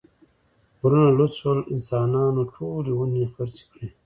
غرونه لوڅ شول، انسانانو ټولې ونې خرڅې کړې.